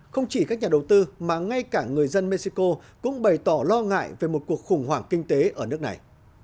không chỉ các nhà đầu tư mà ngay cả người dân mexico cũng bày tỏ lo ngại về một cuộc khủng hoảng kinh tế ở nước này